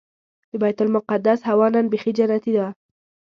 د بیت المقدس هوا نن بيخي جنتي وه.